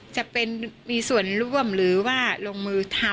จะมีส่วนร่วมหรือว่าลงมือทำ